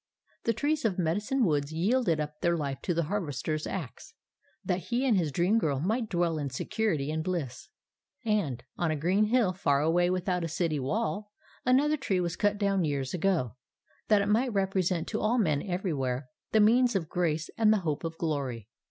The trees of Medicine Woods yielded up their life to the Harvester's axe, that he and his dream girl might dwell in security and bliss. And, on a green hill far away without a city wall, another tree was cut down years ago, that it might represent to all men everywhere the means of grace and the hope of glory.